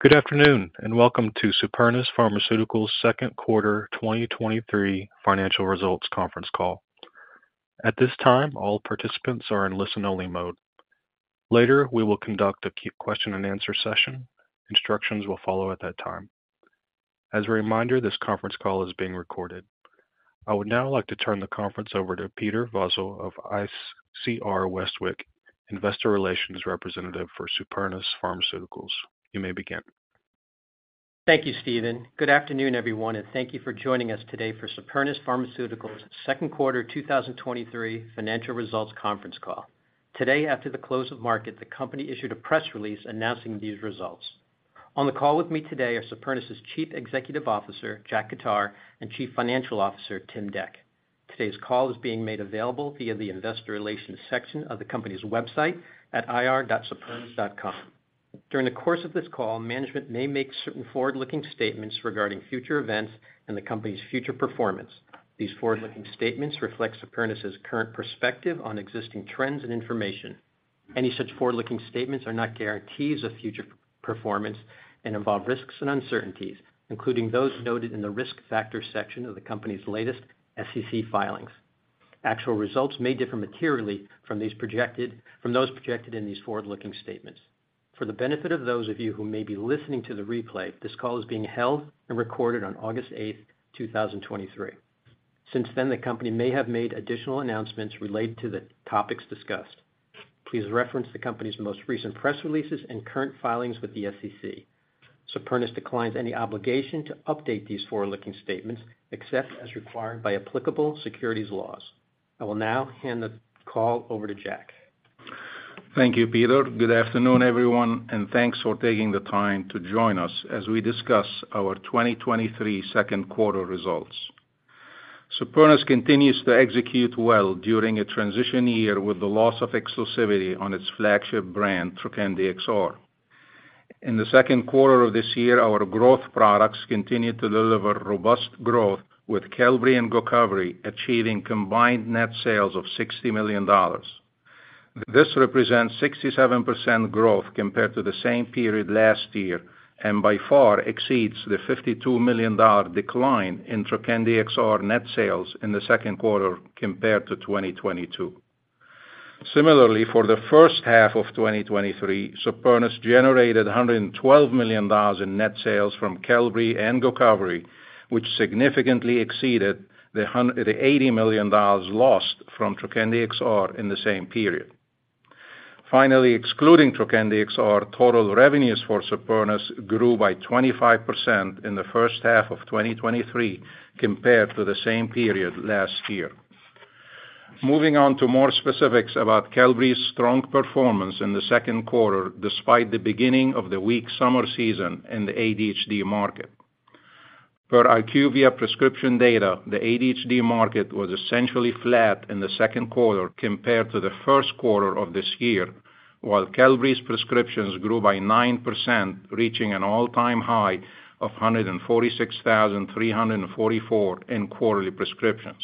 Good afternoon, and welcome to Supernus Pharmaceuticals' second quarter 2023 financial results conference call. At this time, all participants are in listen-only mode. Later, we will conduct a key question and answer session. Instructions will follow at that time. As a reminder, this conference call is being recorded. I would now like to turn the conference over to Peter Vozzo of ICR Westwicke, investor relations representative for Supernus Pharmaceuticals. You may begin. Thank you, Steven. Good afternoon, everyone, and thank you for joining us today for Supernus Pharmaceuticals' second quarter 2023 financial results conference call. Today, after the close of market, the company issued a press release announcing these results. On the call with me today are Supernus' Chief Executive Officer, Jack Khattar, and Chief Financial Officer, Tim Dec. Today's call is being made available via the investor relations section of the company's website at ir.supernus.com. During the course of this call, management may make certain forward-looking statements regarding future events and the company's future performance. These forward-looking statements reflect Supernus' current perspective on existing trends and information. Any such forward-looking statements are not guarantees of future performance and involve risks and uncertainties, including those noted in the Risk Factors section of the company's latest SEC filings. Actual results may differ materially from these projected... from those projected in these forward-looking statements. For the benefit of those of you who may be listening to the replay, this call is being held and recorded on August 8, 2023. Since then, the company may have made additional announcements related to the topics discussed. Please reference the company's most recent press releases and current filings with the SEC. Supernus declines any obligation to update these forward-looking statements, except as required by applicable securities laws. I will now hand the call over to Jack. Thank you, Peter. Good afternoon, everyone. Thanks for taking the time to join us as we discuss our 2023 second quarter results. Supernus continues to execute well during a transition year with the loss of exclusivity on its flagship brand, Trokendi XR. In the second quarter of this year, our growth products continued to deliver robust growth, with Qelbree and Gocovri achieving combined net sales of $60 million. This represents 67% growth compared to the same period last year, and by far exceeds the $52 million decline in Trokendi XR net sales in the second quarter compared to 2022. Similarly, for the first half of 2023, Supernus generated $112 million in net sales from Qelbree and Gocovri, which significantly exceeded the $80 million lost from Trokendi XR in the same period. Finally, excluding Trokendi XR, total revenues for Supernus grew by 25% in the first half of 2023 compared to the same period last year. Moving on to more specifics about Qelbree's strong performance in the second quarter, despite the beginning of the weak summer season in the ADHD market. Per IQVIA prescription data, the ADHD market was essentially flat in the second quarter compared to the first quarter of this year, while Qelbree's prescriptions grew by 9%, reaching an all-time high of 146,344 in quarterly prescriptions.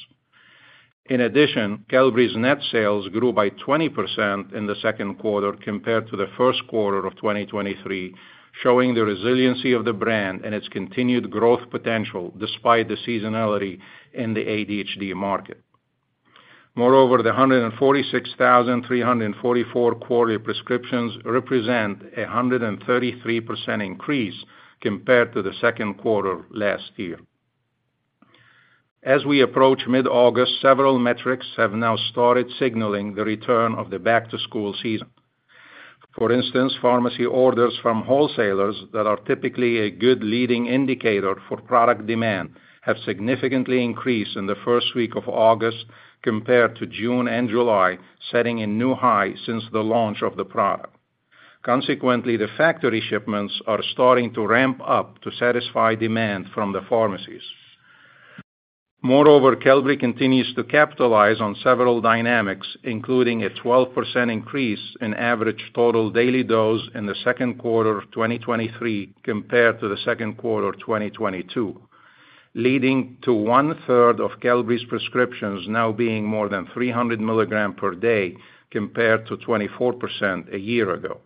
Qelbree's net sales grew by 20% in the second quarter compared to the first quarter of 2023, showing the resiliency of the brand and its continued growth potential despite the seasonality in the ADHD market. Moreover, the 146,344 quarterly prescriptions represent a 133% increase compared to the second quarter last year. As we approach mid-August, several metrics have now started signaling the return of the back-to-school season. For instance, pharmacy orders from wholesalers that are typically a good leading indicator for product demand have significantly increased in the first week of August compared to June and July, setting a new high since the launch of the product. Consequently, the factory shipments are starting to ramp up to satisfy demand from the pharmacies. Moreover, Qelbree continues to capitalize on several dynamics, including a 12% increase in average total daily dose in 2Q 2023 compared to 2Q 2022, leading to 1/3 of Qelbree's prescriptions now being more than 300 mg per day, compared to 24% a year ago.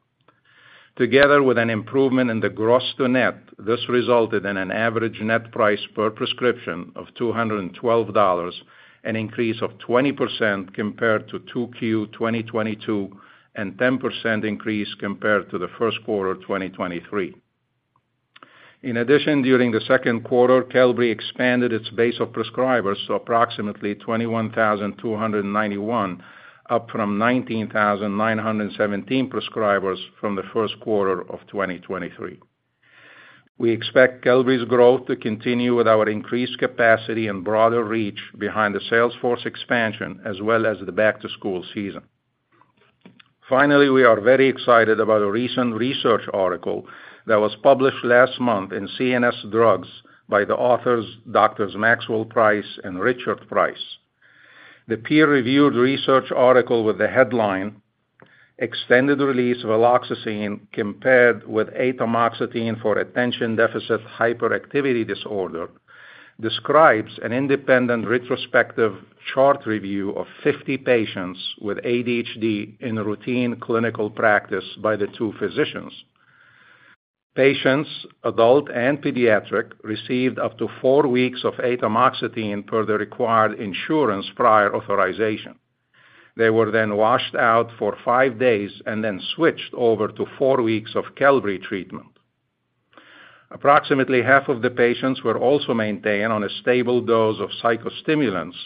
Together with an improvement in the gross-to-net, this resulted in an average net price per prescription of $212, an increase of 20% compared to 2Q 2022, and 10% increase compared to 1Q 2023. In addition, during 2Q, Qelbree expanded its base of prescribers to approximately 21,291, up from 19,917 prescribers from 1Q 2023. We expect Qelbree's growth to continue with our increased capacity and broader reach behind the salesforce expansion, as well as the back-to-school season. Finally, we are very excited about a recent research article that was published last month in CNS Drugs by the authors, Doctors Maxwell Price and Richard Price. The peer-reviewed research article with the headline, "Extended-release viloxazine compared with atomoxetine for attention-deficit hyperactivity disorder," describes an independent retrospective chart review of 50 patients with ADHD in a routine clinical practice by the two physicians. Patients, adult and pediatric, received up to four weeks of atomoxetine per the required insurance prior authorization. They were then washed out for five days and then switched over to four weeks of Qelbree treatment. Approximately half of the patients were also maintained on a stable dose of psychostimulants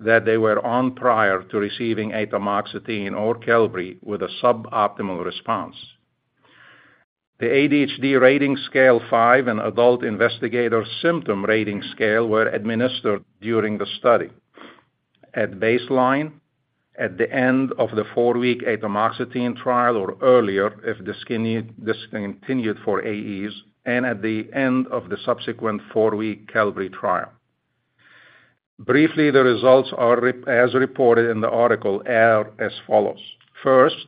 that they were on prior to receiving atomoxetine or Qelbree with a suboptimal response. The ADHD Rating Scale-5 and Adult Investigator Symptom Rating Scale were administered during the study. At baseline, at the end of the four-week atomoxetine trial or earlier, if discontinued for AEs, and at the end of the subsequent four-week Qelbree trial. Briefly, the results as reported in the article are as follows: First,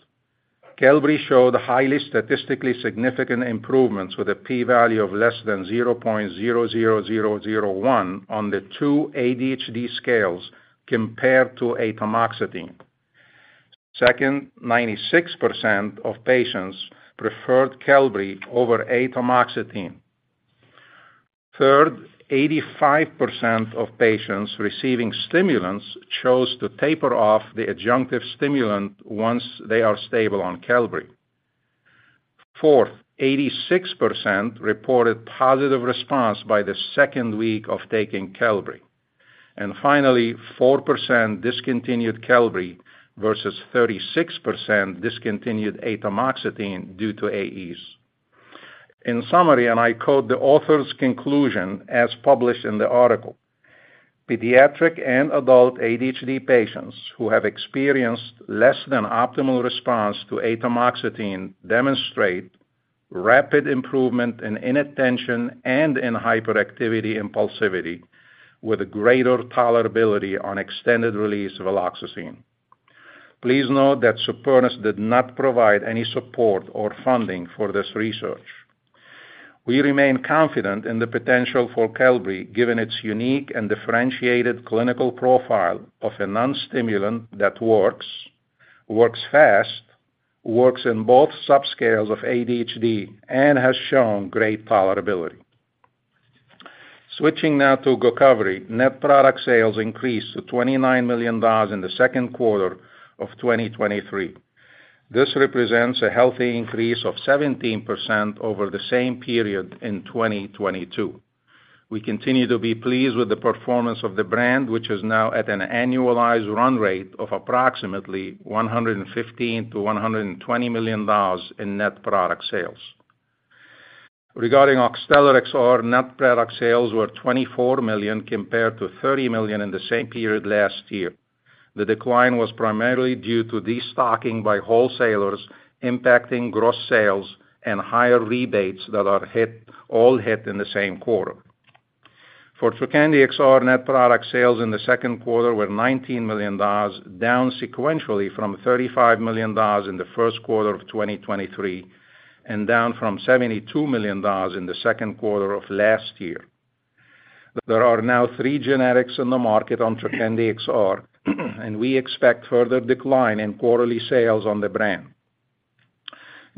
Qelbree showed highly statistically significant improvements with a p-value of less than 0.00001 on the two ADHD scales compared to atomoxetine. Second, 96% of patients preferred Qelbree over atomoxetine. Third, 85% of patients receiving stimulants chose to taper off the adjunctive stimulant once they are stable on Qelbree. Fourth, 86% reported positive response by the second week of taking Qelbree. Finally, 4% discontinued Qelbree versus 36% discontinued atomoxetine due to AEs. In summary, I quote the author's conclusion as published in the article, "Pediatric and adult ADHD patients who have experienced less than optimal response to atomoxetine demonstrate rapid improvement in inattention and in hyperactivity-impulsivity, with a greater tolerability on extended-release viloxazine." Please note that Supernus did not provide any support or funding for this research. We remain confident in the potential for Qelbree, given its unique and differentiated clinical profile of a non-stimulant that works, works fast, works in both subscales of ADHD, and has shown great tolerability. Switching now to Gocovri, net product sales increased to $29 million in the second quarter of 2023. This represents a healthy increase of 17% over the same period in 2022. We continue to be pleased with the performance of the brand, which is now at an annualized run rate of approximately $115 million-$120 million in net product sales. Regarding Oxtellar XR, net product sales were $24 million compared to $30 million in the same period last year. The decline was primarily due to destocking by wholesalers, impacting gross sales and higher rebates that are all hit in the same quarter. For Trokendi XR, net product sales in the second quarter were $19 million, down sequentially from $35 million in the first quarter of 2023, and down from $72 million in the second quarter of last year. There are now three generics in the market on Trokendi XR, and we expect further decline in quarterly sales on the brand.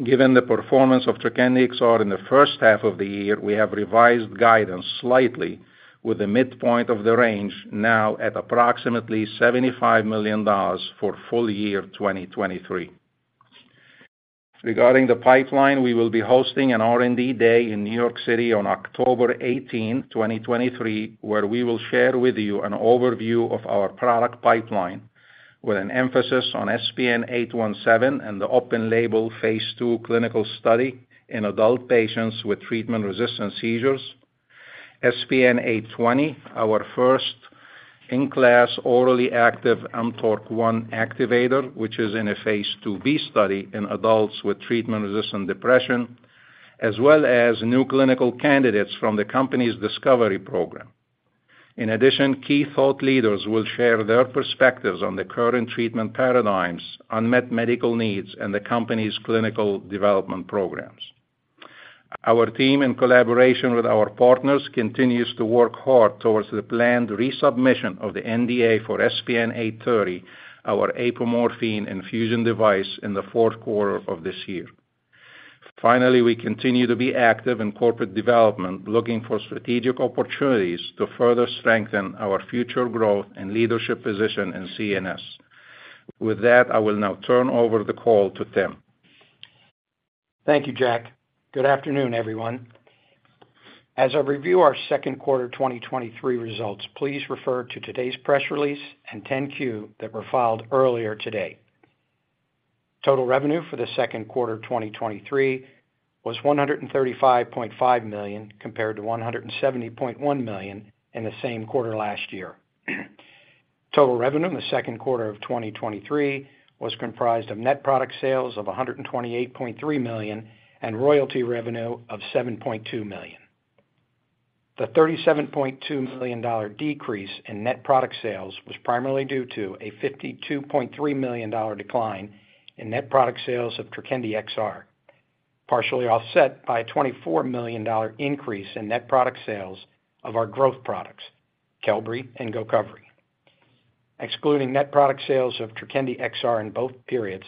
Given the performance of Trokendi XR in the first half of the year, we have revised guidance slightly with the midpoint of the range now at approximately $75 million for full year 2023. Regarding the pipeline, we will be hosting an R&D day in New York City on October 18, 2023, where we will share with you an overview of our product pipeline, with an emphasis on SPN817 and the open-label phase II clinical study in adult patients with treatment-resistant seizures. SPN820, our first-in-class orally active mTORC1 activator, which is in a phase IIb study in adults with treatment-resistant depression, as well as new clinical candidates from the company's discovery program. Key thought leaders will share their perspectives on the current treatment paradigms, unmet medical needs, and the company's clinical development programs. Our team, in collaboration with our partners, continues to work hard towards the planned resubmission of the NDA for SPN830, our apomorphine infusion device, in the fourth quarter of this year. Finally, we continue to be active in corporate development, looking for strategic opportunities to further strengthen our future growth and leadership position in CNS. With that, I will now turn over the call to Tim. Thank you, Jack. Good afternoon, everyone. As I review our second quarter 2023 results, please refer to today's press release and 10-Q that were filed earlier today. Total revenue for the second quarter of 2023 was $135.5 million, compared to $170.1 million in the same quarter last year. Total revenue in the second quarter of 2023 was comprised of net product sales of $128.3 million and royalty revenue of $7.2 million. The $37.2 million decrease in net product sales was primarily due to a $52.3 million decline in net product sales of Trokendi XR partially offset by a $24 million increase in net product sales of our growth products, Qelbree and Gocovri. Excluding net product sales of Trokendi XR in both periods,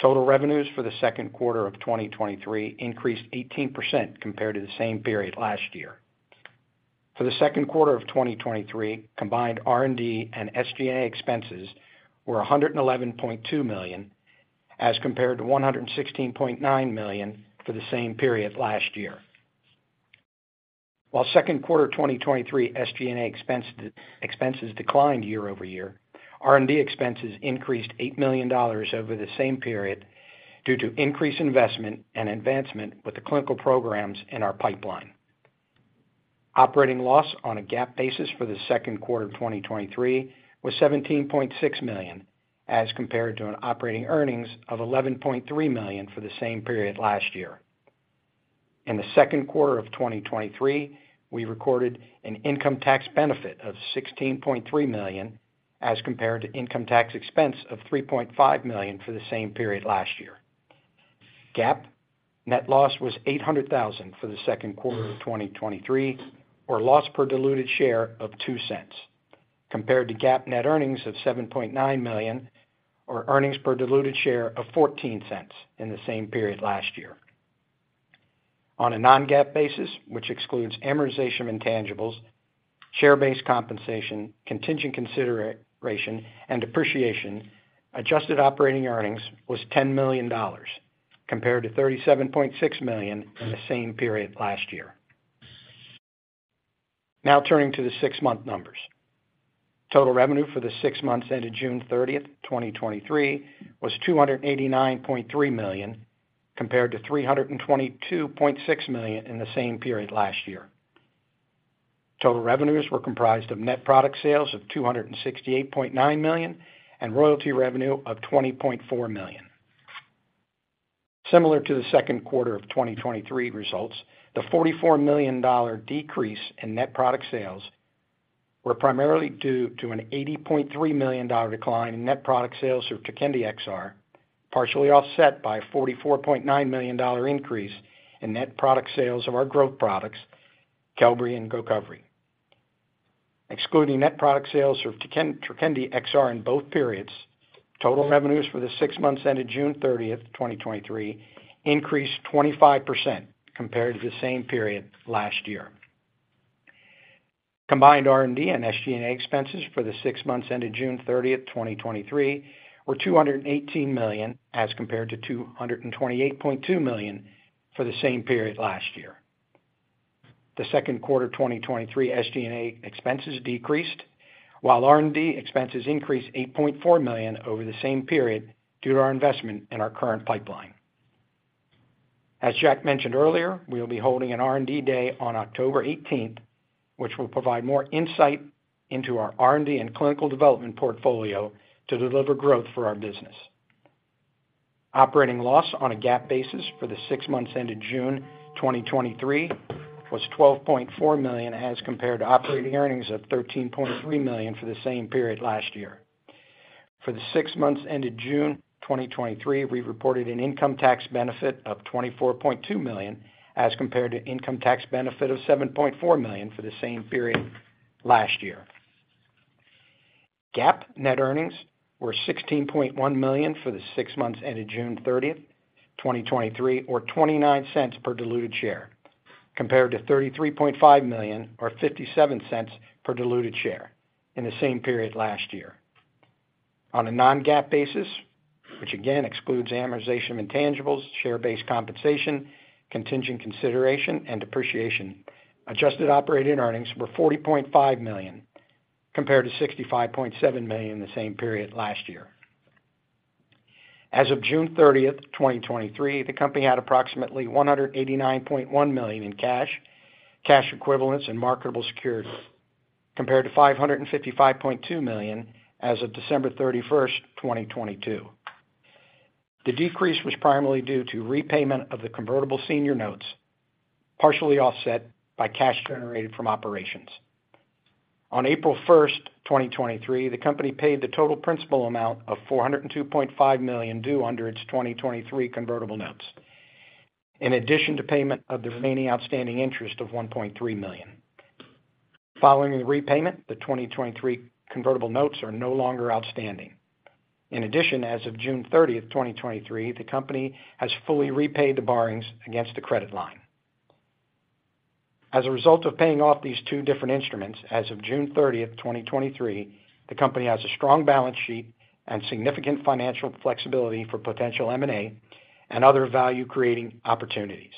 total revenues for the second quarter of 2023 increased 18% compared to the same period last year. For the second quarter of 2023, combined R&D and SG&A expenses were $111.2 million, as compared to $116.9 million for the same period last year. While second quarter 2023 SG&A expenses declined year-over-year, R&D expenses increased $8 million over the same period due to increased investment and advancement with the clinical programs in our pipeline. Operating loss on a GAAP basis for the second quarter of 2023 was $17.6 million, as compared to an operating earnings of $11.3 million for the same period last year. In the second quarter of 2023, we recorded an income tax benefit of $16.3 million, as compared to income tax expense of $3.5 million for the same period last year. GAAP net loss was $800,000 for the second quarter of 2023, or loss per diluted share of $0.02, compared to GAAP net earnings of $7.9 million, or earnings per diluted share of $0.14 in the same period last year. On a non-GAAP basis, which excludes amortization of intangibles, share-based compensation, contingent consideration, and depreciation, adjusted operating earnings was $10 million, compared to $37.6 million in the same period last year. Now turning to the six-month numbers. Total revenue for the six months ended June 30, 2023, was $289.3 million, compared to $322.6 million in the same period last year. Total revenues were comprised of net product sales of $268.9 million and royalty revenue of $20.4 million. Similar to the second quarter of 2023 results, the $44 million decrease in net product sales were primarily due to an $80.3 million decline in net product sales of Trokendi XR, partially offset by a $44.9 million increase in net product sales of our growth products, Qelbree and Gocovri. Excluding net product sales of Trokendi XR in both periods, total revenues for the six months ended June 30, 2023, increased 25% compared to the same period last year. Combined R&D and SG&A expenses for the six months ended June 30, 2023, were $218 million, as compared to $228.2 million for the same period last year. The 2Q 2023 SG&A expenses decreased, while R&D expenses increased $8.4 million over the same period due to our investment in our current pipeline. As Jack mentioned earlier, we will be holding an R&D day on October 18, which will provide more insight into our R&D and clinical development portfolio to deliver growth for our business. Operating loss on a GAAP basis for the six months ended June 2023 was $12.4 million, as compared to operating earnings of $13.3 million for the same period last year. For the six months ended June 2023, we reported an income tax benefit of $24.2 million, as compared to income tax benefit of $7.4 million for the same period last year. GAAP net earnings were $16.1 million for the six months ended June 30, 2023, or $0.29 per diluted share, compared to $33.5 million or $0.57 per diluted share in the same period last year. On a non-GAAP basis, which again excludes amortization of intangibles, share-based compensation, contingent consideration, and depreciation, adjusted operating earnings were $40.5 million, compared to $65.7 million in the same period last year. As of June 30th, 2023, the company had approximately $189.1 million in cash, cash equivalents, and marketable securities, compared to $555.2 million as of December 31st, 2022. The decrease was primarily due to repayment of the Convertible Senior Notes, partially offset by cash generated from operations. On April 1st, 2023, the company paid the total principal amount of $402.5 million due under its 2023 Convertible Notes, in addition to payment of the remaining outstanding interest of $1.3 million. Following the repayment, the 2023 Convertible Notes are no longer outstanding. In addition, as of June 30th, 2023, the company has fully repaid the borrowings against the credit line. As a result of paying off these two different instruments, as of June 30, 2023, the company has a strong balance sheet and significant financial flexibility for potential M&A and other value-creating opportunities.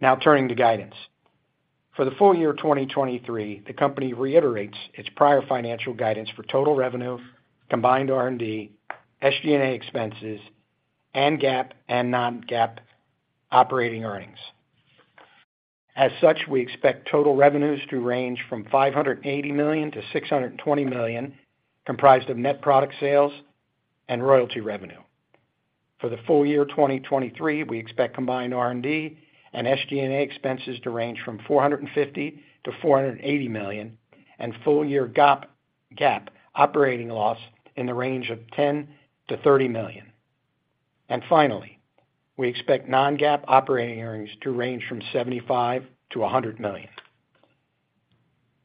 Now, turning to guidance. For the full year 2023, the company reiterates its prior financial guidance for total revenue, combined R&D, SG&A expenses, and GAAP and non-GAAP operating earnings. As such, we expect total revenues to range from $580 million-$620 million, comprised of net product sales and royalty revenue. For the full year 2023, we expect combined R&D and SG&A expenses to range from $450 million-$480 million, and full-year GAAP-... GAAP operating loss in the range of $10 million-$30 million. Finally, we expect non-GAAP operating earnings to range from $75 million-$100 million.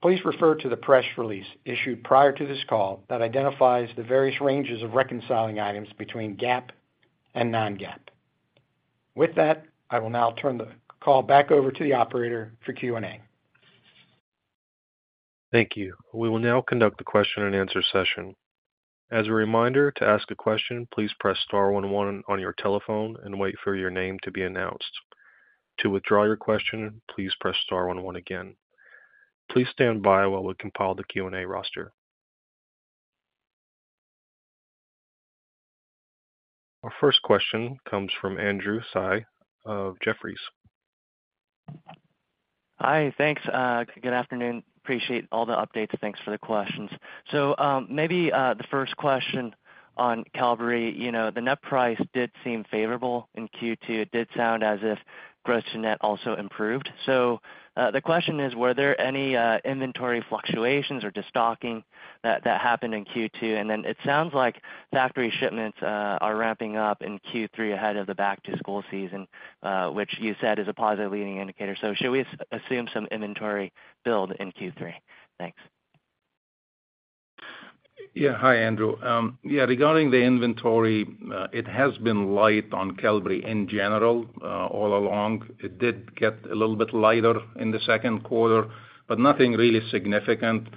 Please refer to the press release issued prior to this call that identifies the various ranges of reconciling items between GAAP and non-GAAP. With that, I will now turn the call back over to the operator for Q&A. Thank you. We will now conduct the question-and-answer session. As a reminder, to ask a question, please press star one one on your telephone and wait for your name to be announced. To withdraw your question, please press star one one again. Please stand by while we compile the Q&A roster. Our first question comes from Andrew Tsai of Jefferies. Hi, thanks. Good afternoon. Appreciate all the updates. Thanks for the questions. Maybe, the first question on Qelbree. You know, the net price did seem favorable in Q2. It did sound as if gross-to-net also improved. The question is: were there any inventory fluctuations or destocking that happened in Q2? Then it sounds like factory shipments are ramping up in Q3 ahead of the back-to-school season, which you said is a positive leading indicator. Should we assume some inventory build in Q3? Thanks. Yeah. Hi, Andrew. Yeah, regarding the inventory, it has been light on Qelbree in general, all along. It did get a little bit lighter in the second quarter, but nothing really significant.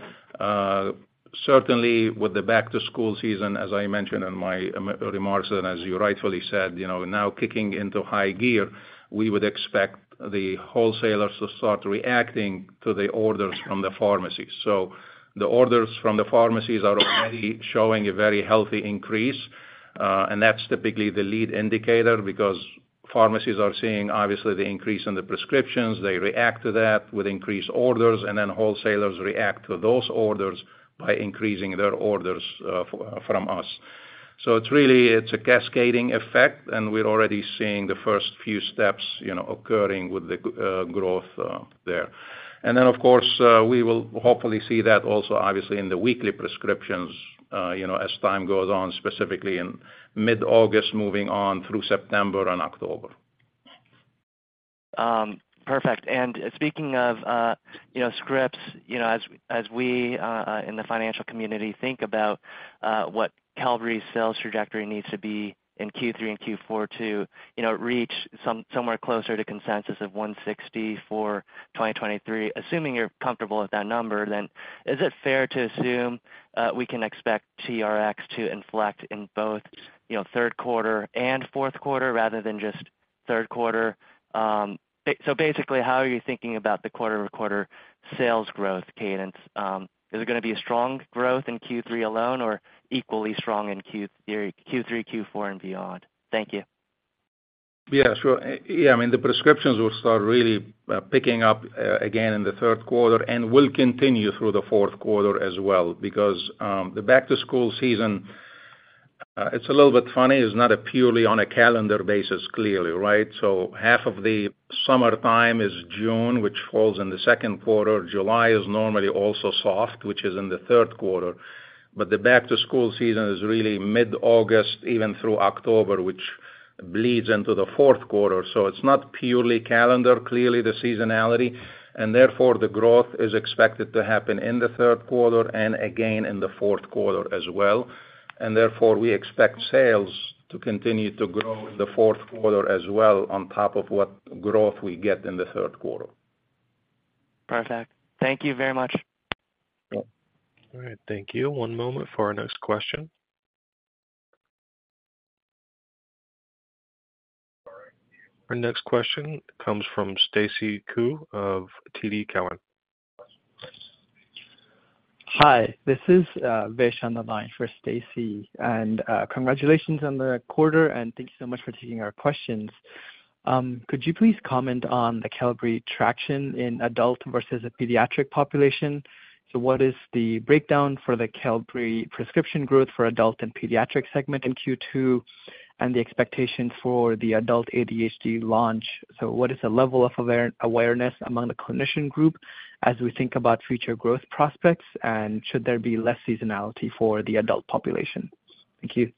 Certainly with the back-to-school season, as I mentioned in my remarks, and as you rightfully said, you know, now kicking into high gear, we would expect the wholesalers to start reacting to the orders from the pharmacies. The orders from the pharmacies are already showing a very healthy increase, and that's typically the lead indicator because pharmacies are seeing, obviously, the increase in the prescriptions. They react to that with increased orders, and then wholesalers react to those orders by increasing their orders from us. It's really, it's a cascading effect, and we're already seeing the first few steps, you know, occurring with the growth there. Then, of course, we will hopefully see that also, obviously, in the weekly prescriptions, you know, as time goes on, specifically in mid-August, moving on through September and October. Perfect. Speaking of, you know, scripts, you know, as, as we, in the financial community think about, what Qelbree's sales trajectory needs to be in Q3 and Q4 to, you know, reach somewhere closer to consensus of $160 for 2023. Assuming you're comfortable with that number, is it fair to assume, we can expect TRX to inflect in both, you know, Q3 and Q4 rather than just Q3? Basically, how are you thinking about the quarter-over-quarter sales growth cadence? Is it gonna be a strong growth in Q3 alone or equally strong in Q3, Q4, and beyond? Thank you. Yeah, sure. Yeah, I mean, the prescriptions will start really picking up again in the third quarter and will continue through the fourth quarter as well, because the back-to-school season, it's a little bit funny. It's not a purely on a calendar basis, clearly, right? Half of the summertime is June, which falls in the second quarter. July is normally also soft, which is in the third quarter. The back-to-school season is really mid-August, even through October, which bleeds into the fourth quarter. It's not purely calendar, clearly the seasonality, and therefore, the growth is expected to happen in the third quarter and again in the fourth quarter as well. Therefore, we expect sales to continue to grow in the fourth quarter as well on top of what growth we get in the third quarter. Perfect. Thank you very much. Yep. All right. Thank you. One moment for our next question. Our next question comes from Stacy Ku of TD Cowen. Hi, this is Vaish on the line for Stacy. Congratulations on the quarter, and thank you so much for taking our questions. Could you please comment on the Qelbree traction in adult versus a pediatric population? What is the breakdown for the Qelbree prescription growth for adult and pediatric segment in Q2, and the expectation for the adult ADHD launch? What is the level of awareness among the clinician group as we think about future growth prospects? Should there be less seasonality for the adult population? Thank you.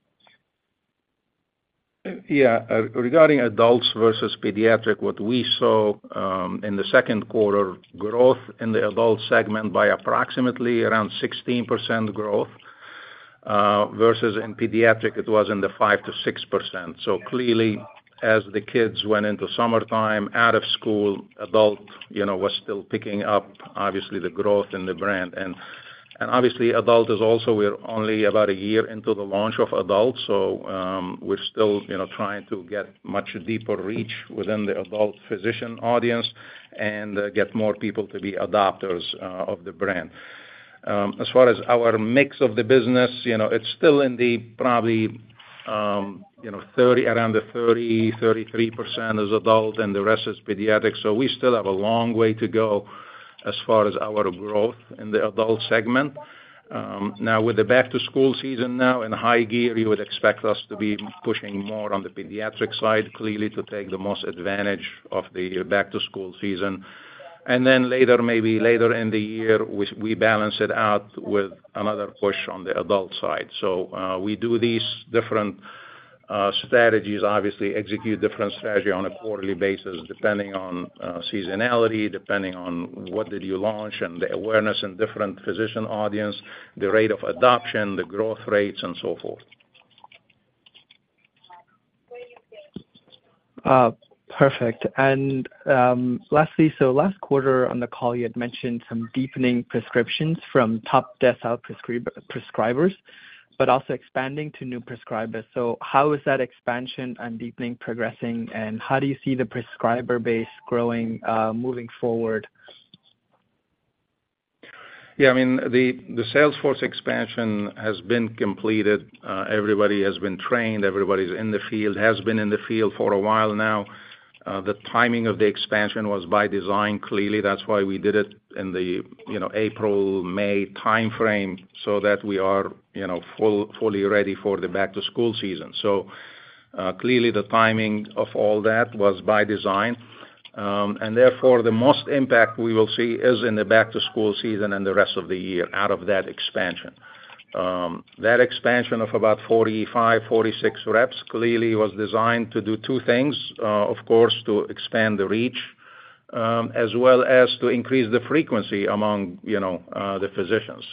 Regarding adults versus pediatric, what we saw in the second quarter, growth in the adult segment by approximately around 16% growth, versus in pediatric, it was in the 5%-6%. Clearly, as the kids went into summertime, out of school, adult, you know, was still picking up, obviously, the growth in the brand. Obviously adult is also, we're only about a year into the launch of adult. We're still, you know, trying to get much deeper reach within the adult physician audience and get more people to be adopters of the brand. As far as our mix of the business, you know, it's still in the probably, you know, around the 30%, 33% is adult, and the rest is pediatric. We still have a long way to go as far as our growth in the adult segment. Now, with the back-to-school season now in high gear, you would expect us to be pushing more on the pediatric side, clearly, to take the most advantage of the back-to-school season. Then later, maybe later in the year, we, we balance it out with another push on the adult side. We do these different strategies, obviously execute different strategy on a quarterly basis, depending on seasonality, depending on what did you launch and the awareness and different physician audience, the rate of adoption, the growth rates, and so forth. Perfect. Lastly, so last quarter on the call, you had mentioned some deepening prescriptions from top decile prescrib- prescribers, but also expanding to new prescribers. How is that expansion and deepening progressing, and how do you see the prescriber base growing, moving forward? Yeah, I mean, the, the sales force expansion has been completed. Everybody has been trained, everybody's in the field, has been in the field for a while now. The timing of the expansion was by design. Clearly, that's why we did it in the, you know, April, May timeframe so that we are, you know, full- fully ready for the back-to-school season. Clearly, the timing of all that was by design, and therefore, the most impact we will see is in the back-to-school season and the rest of the year out of that expansion. That expansion of about 45, 46 reps clearly was designed to do two things, of course, to expand the reach, as well as to increase the frequency among, you know, the physicians.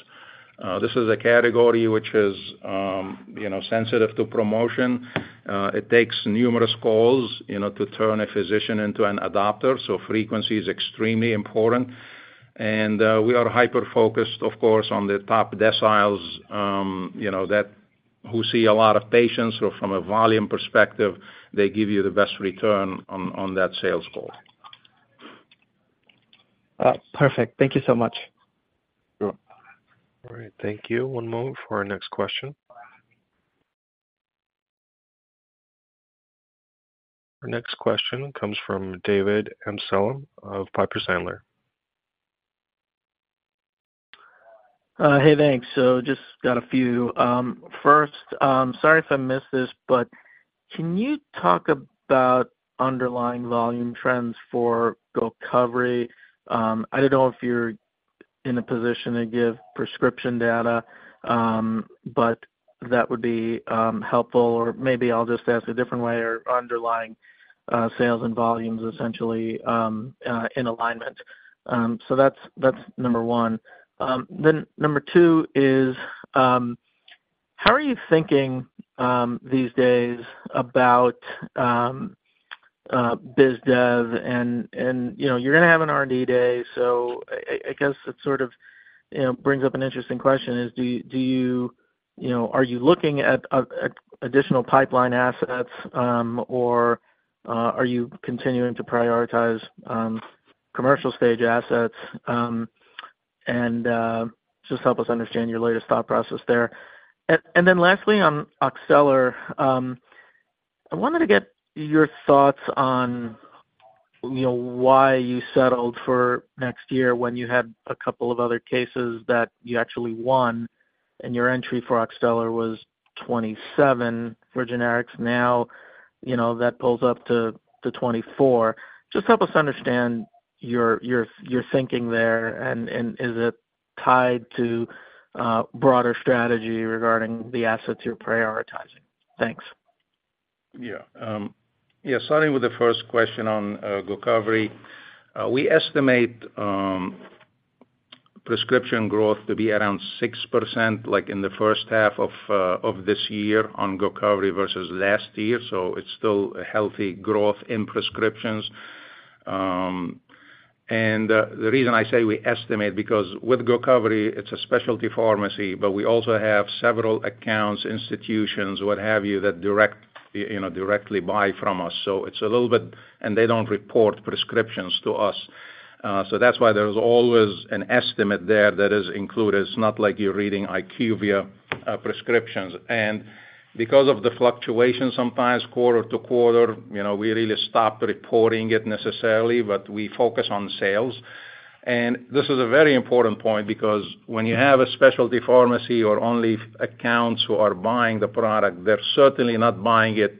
This is a category which is, you know, sensitive to promotion. It takes numerous calls, you know, to turn a physician into an adopter, so frequency is extremely important. We are hyper-focused, of course, on the top deciles, you know, that, who see a lot of patients, or from a volume perspective, they give you the best return on, on that sales call. Perfect. Thank you so much. Sure. All right. Thank you. One moment for our next question. Our next question comes from David Amsellem of Piper Sandler. Hey, thanks. Just got a few. First, sorry if I missed this, but can you talk about underlying volume trends for Gocovri? I don't know if you're in a position to give prescription data, but that would be helpful. Maybe I'll just ask a different way, or underlying sales and volumes, essentially, in alignment. That's number one. Number two is, how are you thinking these days about biz dev? You know, you're gonna have an R&D day, so I, I, I guess it sort of, you know, brings up an interesting question is, do, do you, you know, are you looking at additional pipeline assets, or are you continuing to prioritize commercial-stage assets? Just help us understand your latest thought process there. Then lastly, on Oxtellar, I wanted to get your thoughts on, you know, why you settled for next year when you had a couple of other cases that you actually won, and your entry for Oxtellar was 27 for generics. Now, you know, that pulls up to, to 24. Just help us understand your, your, your thinking there, and, and is it tied to broader strategy regarding the assets you're prioritizing? Thanks. Yeah. Yeah, starting with the first question on Gocovri. We estimate prescription growth to be around 6%, like in the first half of this year on Gocovri versus last year, it's still a healthy growth in prescriptions. The reason I say we estimate, because with Gocovri, it's a specialty pharmacy, but we also have several accounts, institutions, what have you, that direct, you know, directly buy from us. That's why there's always an estimate there that is included. It's not like you're reading IQVIA prescriptions. Because of the fluctuation, sometimes quarter-to-quarter, you know, we really stop reporting it necessarily, but we focus on sales. This is a very important point because when you have a specialty pharmacy or only accounts who are buying the product, they're certainly not buying it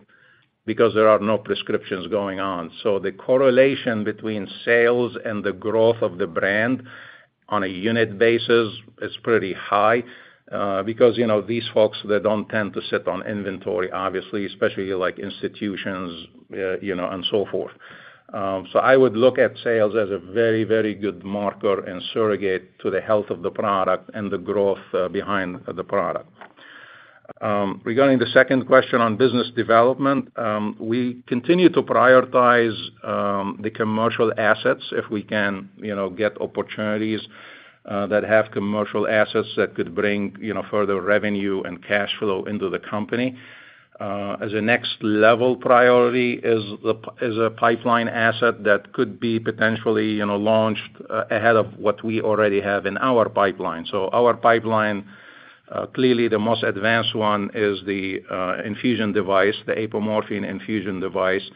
because there are no prescriptions going on. The correlation between sales and the growth of the brand on a unit basis is pretty high because, you know, these folks, they don't tend to sit on inventory, obviously, especially like institutions, you know, and so forth. So I would look at sales as a very, very good marker and surrogate to the health of the product and the growth behind the product. Regarding the second question on business development, we continue to prioritize the commercial assets if we can, you know, get opportunities that have commercial assets that could bring, you know, further revenue and cash flow into the company. As a next-level priority is the, is a pipeline asset that could be potentially, you know, launched ahead of what we already have in our pipeline. Our pipeline, clearly the most advanced one is the infusion device, the apomorphine infusion device.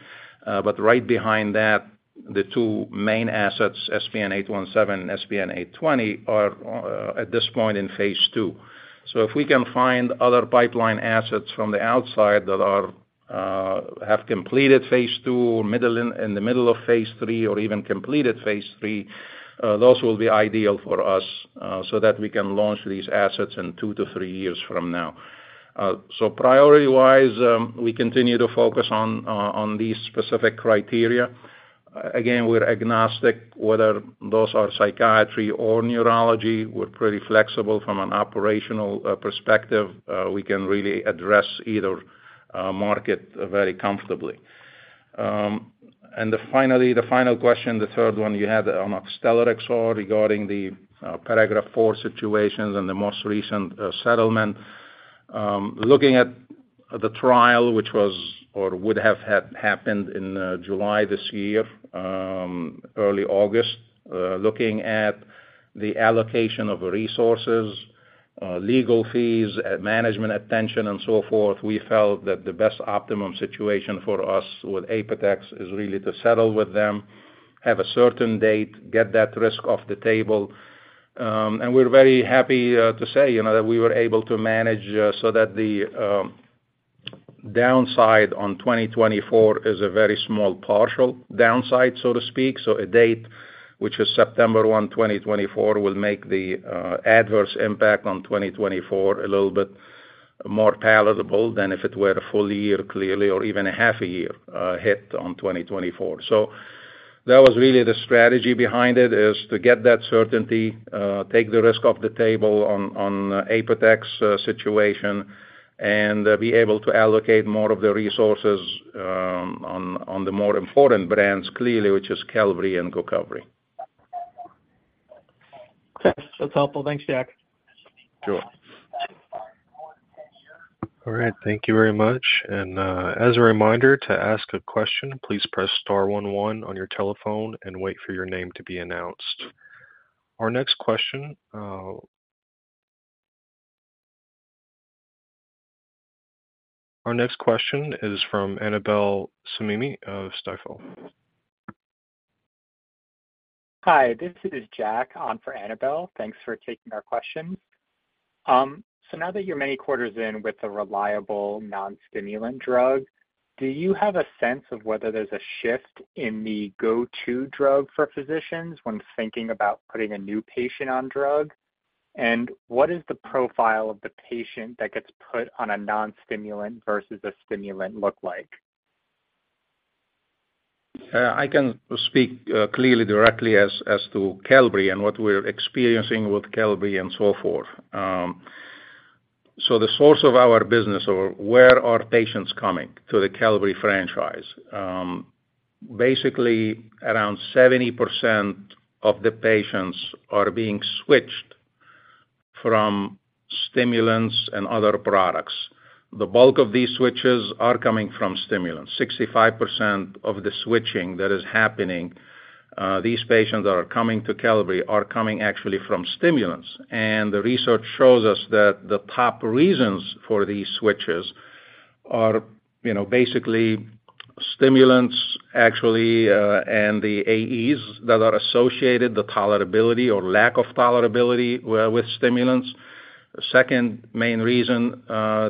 Right behind that, the two main assets, SPN-817 and SPN-820, are at this point in phase II. If we can find other pipeline assets from the outside that are have completed phase II, middle in the middle of phase III, or even completed phase III, those will be ideal for us so that we can launch these assets in two to three years from now. Priority-wise, we continue to focus on on these specific criteria.... Again, we're agnostic whether those are psychiatry or neurology. We're pretty flexible from an operational perspective. We can really address either market very comfortably. The finally, the final question, the third one you had on Oxtellar XR regarding the Paragraph IV situations and the most recent settlement. Looking at the trial, which was or would have had happened in July this year, early August. Looking at the allocation of resources, legal fees, management attention, and so forth, we felt that the best optimum situation for us with is really to settle with them, have a certain date, get that risk off the table. We're very happy to say, you know, that we were able to manage so that the downside on 2024 is a very small partial downside, so to speak. A date, which is September 1, 2024, will make the adverse impact on 2024 a little bit more palatable than if it were a full year, clearly, or even a half a year hit on 2024. That was really the strategy behind it, is to get that certainty, take the risk off the table on, on Apotex situation, and be able to allocate more of the resources on, on the more important brands, clearly, which is Qelbree and Gocovri. Okay. That's helpful. Thanks, Jack. Sure. All right. Thank you very much. As a reminder to ask a question, please press star one one on your telephone and wait for your name to be announced. Our next question... Our next question is from Annabel Samimy of Stifel. Hi, this is Jack on for Annabel. Thanks for taking our questions. Now that you're many quarters in with a reliable non-stimulant drug, do you have a sense of whether there's a shift in the go-to drug for physicians when thinking about putting a new patient on drug? What is the profile of the patient that gets put on a non-stimulant versus a stimulant look like? I can speak clearly, directly as, as to Qelbree and what we're experiencing with Qelbree and so forth. The source of our business, or where are patients coming to the Qelbree franchise? Basically, around 70% of the patients are being switched from stimulants and other products. The bulk of these switches are coming from stimulants. 65% of the switching that is happening, these patients are coming to Qelbree, are coming actually from stimulants. The research shows us that the top reasons for these switches are, you know, basically stimulants, actually, and the AEs that are associated, the tolerability or lack of tolerability with, with stimulants. The second main reason,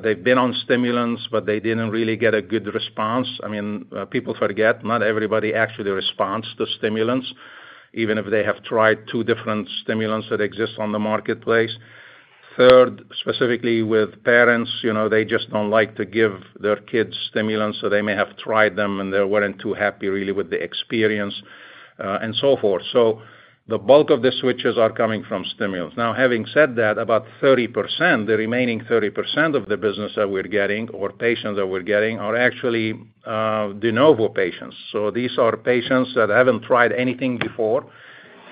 they've been on stimulants, but they didn't really get a good response. I mean, people forget, not everybody actually responds to stimulants, even if they have tried two different stimulants that exist on the marketplace. Third, specifically with parents, you know, they just don't like to give their kids stimulants, so they may have tried them, and they weren't too happy, really, with the experience, and so forth. The bulk of the switches are coming from stimulants. Now, having said that, about 30%, the remaining 30% of the business that we're getting, or patients that we're getting, are actually de novo patients. These are patients that haven't tried anything before,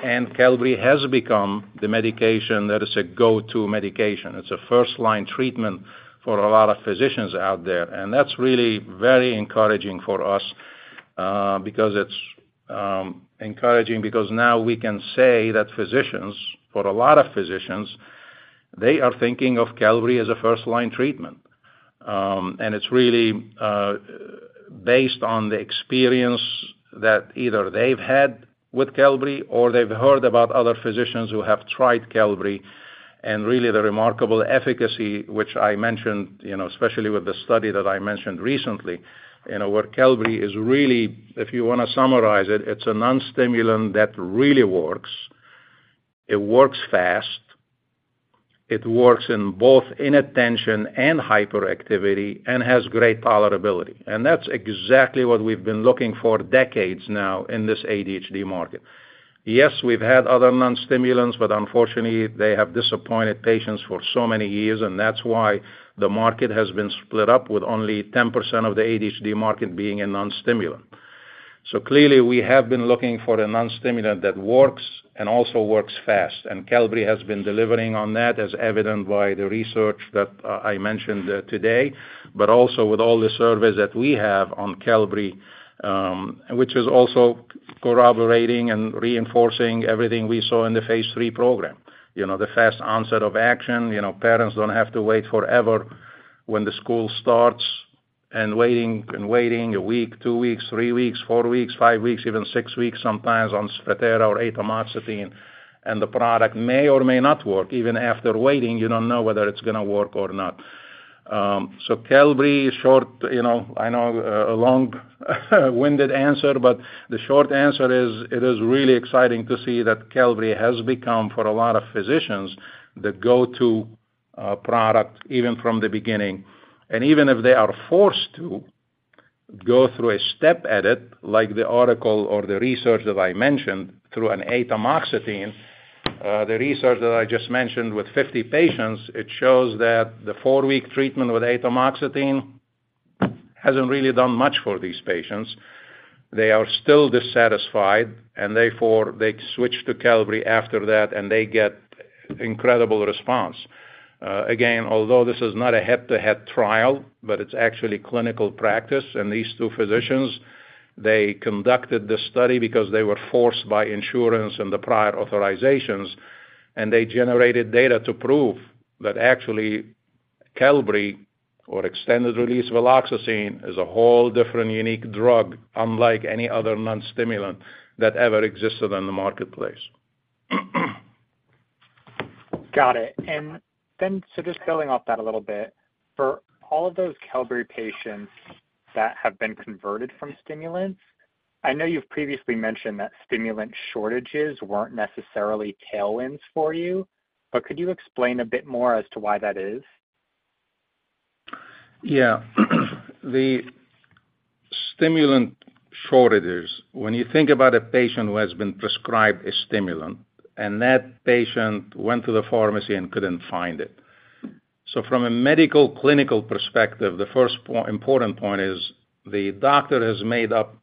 and Qelbree has become the medication that is a go-to medication. It's a first-line treatment for a lot of physicians out there. That's really very encouraging for us, because it's encouraging because now we can say that physicians, for a lot of physicians, they are thinking of Qelbree as a first-line treatment. It's really, based on the experience that either they've had with Qelbree or they've heard about other physicians who have tried Qelbree, and really the remarkable efficacy, which I mentioned, you know, especially with the study that I mentioned recently, you know, where Qelbree is really, if you wanna summarize it, it's a non-stimulant that really works. It works fast, it works in both inattention and hyperactivity and has great tolerability. That's exactly what we've been looking for decades now in this ADHD market. Yes, we've had other non-stimulants. Unfortunately, they have disappointed patients for so many years, and that's why the market has been split up with only 10% of the ADHD market being a non-stimulant. Clearly, we have been looking for a non-stimulant that works and also works fast, and Qelbree has been delivering on that, as evident by the research that I mentioned today. Also with all the surveys that we have on Qelbree, which is also corroborating and reinforcing everything we saw in the phase III program. You know, the fast onset of action, you know, parents don't have to wait forever when the school starts and waiting and waiting one week, two weeks, three weeks, four weeks, five weeks, even six weeks, sometimes on Strattera or atomoxetine, and the product may or may not work. Even after waiting, you don't know whether it's gonna work or not. Qelbree, short, you know, I know, a long-winded answer, but the short answer is, it is really exciting to see that Qelbree has become, for a lot of physicians, the go-to product even from the beginning. Even if they are forced to go through a step edit, like the article or the research that I mentioned through an atomoxetine, the research that I just mentioned with 50 patients, it shows that the four-week treatment with atomoxetine hasn't really done much for these patients. They are still dissatisfied, and therefore, they switch to Qelbree after that, and they get incredible response. Again, although this is not a head-to-head trial, but it's actually clinical practice, and these two physicians, they conducted the study because they were forced by insurance and the prior authorizations, and they generated data to prove that actually, Qelbree or extended-release viloxazine, is a whole different unique drug, unlike any other non-stimulant that ever existed in the marketplace. Got it. Just building off that a little bit, for all of those Qelbree patients that have been converted from stimulants, I know you've previously mentioned that stimulant shortages weren't necessarily tailwinds for you, but could you explain a bit more as to why that is? Yeah. The stimulant shortages, when you think about a patient who has been prescribed a stimulant, that patient went to the pharmacy and couldn't find it. From a medical, clinical perspective, the first important point is the doctor has made up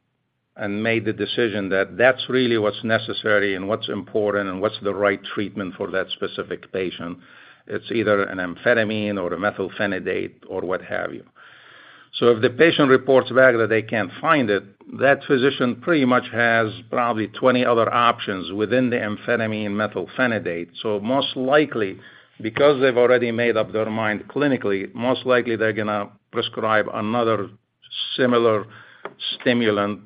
and made the decision that that's really what's necessary and what's important and what's the right treatment for that specific patient. It's either an amphetamine or a methylphenidate or what have you. If the patient reports back that they can't find it, that physician pretty much has probably 20 other options within the amphetamine and methylphenidate. Most likely, because they've already made up their mind clinically, most likely they're gonna prescribe another similar stimulant,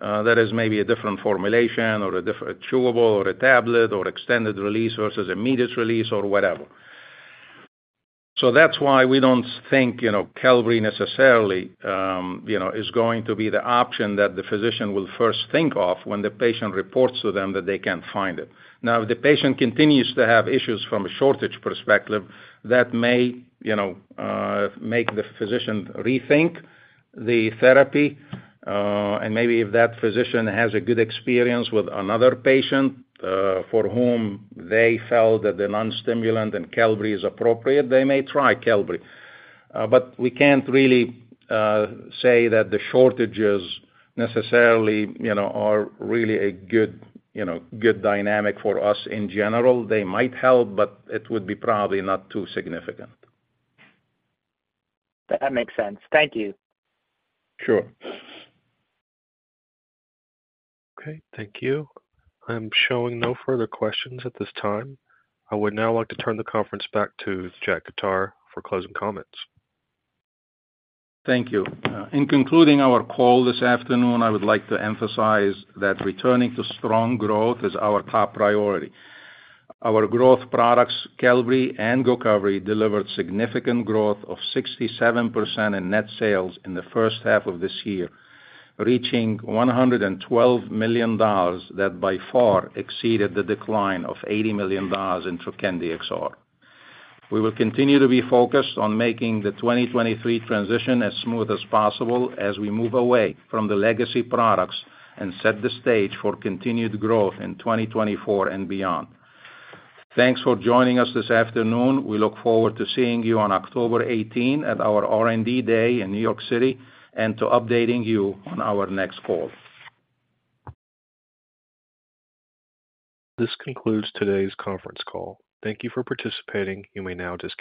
that is maybe a different formulation or a different chewable or a tablet or extended release versus immediate release or whatever. That's why we don't think, you know, Qelbree necessarily, you know, is going to be the option that the physician will first think of when the patient reports to them that they can't find it. If the patient continues to have issues from a shortage perspective, that may, you know, make the physician rethink the therapy, and maybe if that physician has a good experience with another patient, for whom they felt that the non-stimulant and Qelbree is appropriate, they may try Qelbree. We can't really say that the shortages necessarily, you know, are really a good, you know, good dynamic for us in general. They might help, but it would be probably not too significant. That makes sense. Thank you. Sure. Okay, thank you. I'm showing no further questions at this time. I would now like to turn the conference back to Jack Khattar for closing comments. Thank you. In concluding our call this afternoon, I would like to emphasize that returning to strong growth is our top priority. Our growth products, Qelbree and Gocovri, delivered significant growth of 67% in net sales in the first half of this year, reaching $112 million, that by far exceeded the decline of $80 million in Trokendi XR. We will continue to be focused on making the 2023 transition as smooth as possible as we move away from the legacy products and set the stage for continued growth in 2024 and beyond. Thanks for joining us this afternoon. We look forward to seeing you on October 18 at our R&D Day in New York City and to updating you on our next call. This concludes today's conference call. Thank you for participating. You may now disconnect.